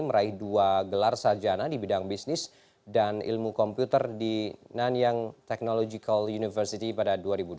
meraih dua gelar sarjana di bidang bisnis dan ilmu komputer di nanyang technological university pada dua ribu dua puluh